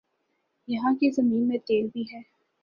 یہاں کی زمین میں تیل بھی ہے